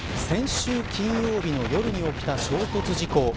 先週金曜日の夜に起きた衝突事故。